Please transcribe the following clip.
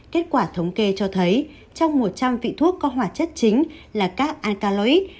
kết quả thống kê cho thấy trong một trăm linh vị thuốc có hỏa chất chính là các alkaloid